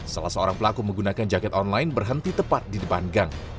salah seorang pelaku menggunakan jaket online berhenti tepat di depan gang